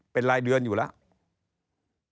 เป็นรายเดือนอยู่แล้ว